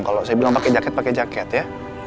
kalau saya bilang pake jaket pake jaket ya